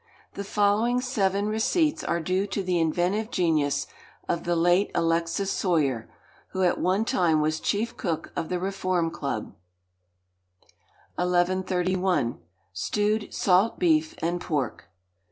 The following seven receipts are due to the inventive genius of the late Alexis Soyer, who at one time was chief cook of the Reform Club: 1131. Stewed Salt Beef and Pork.